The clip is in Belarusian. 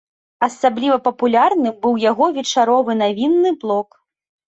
Асабліва папулярным быў яго вечаровы навінны блок.